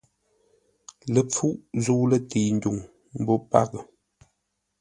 Ləpfuʼ zə̂u lətəi ndwuŋ mbó paghʼə.